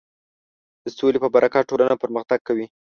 د سولې په برکت ټولنه پرمختګ کوي.